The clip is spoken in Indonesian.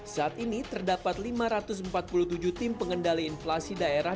saat ini terdapat lima ratus empat puluh tujuh tim pengendali inflasi daerah